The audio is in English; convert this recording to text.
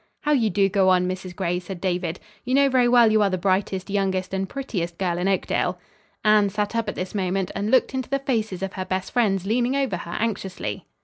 "How you do go on, Mrs. Gray," said David. "You know very well you are the brightest, youngest and prettiest girl in Oakdale." Anne sat up at this moment, and looked into the faces of her best friends leaning over her anxiously.